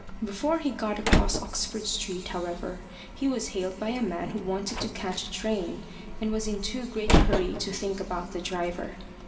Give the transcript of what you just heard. Before he got across Oxford Street, however, he was hailed by a man who wanted to catch a train, and was in too great a hurry to think about the driver.